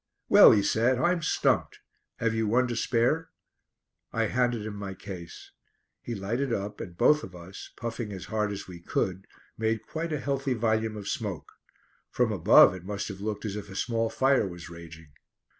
"Well," he said, "I'm stumped. Have you one to spare?" I handed him my case. He lighted up and both of us, puffing as hard as we could, made quite a healthy volume of smoke. From above it must have looked as if a small fire was raging.